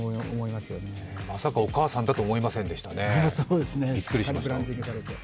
まさかお母さんだと思いませんでしたね。